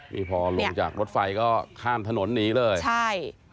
นี่พอลงจากรถไฟก็ข้ามถนนหนีเลยใช่